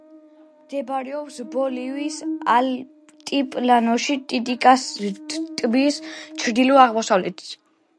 მდებარეობს ბოლივიის ალტიპლანოში, ტიტიკაკას ტბის ჩრდილო-აღმოსავლეთით.